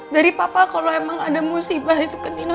dari papa kalau emang ada musibah itu ke dinas